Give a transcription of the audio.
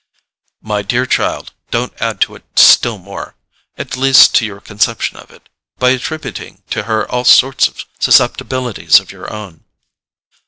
"My dear child, don't add to it still more—at least to your conception of it—by attributing to her all sorts of susceptibilities of your own."